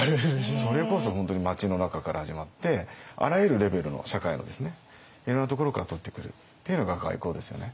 それこそ本当に街の中から始まってあらゆるレベルの社会のいろんなところからとってくるっていうのが外交ですよね。